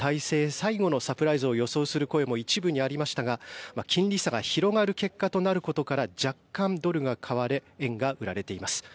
最後のサプライズを予想する声も一部にありましたが、金利差が広がる結果となることから若干、ドルが買われ円が売られています。